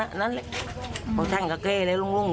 นั่นแหละเพราะฉันก็แก้แล้วลงอุ้มเลี่ยว